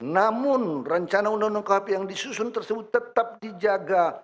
namun rencana undang undang khp yang disusun tersebut tetap dijaga